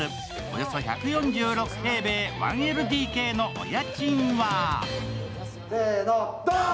およそ１４６平米１ＬＤＫのお家賃は？